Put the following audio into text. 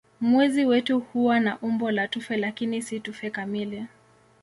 Mwezi wetu huwa na umbo la tufe lakini si tufe kamili.